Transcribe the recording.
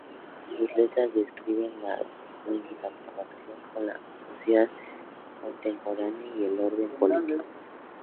Sus letras describen la insatisfacción con la sociedad contemporánea y el orden político.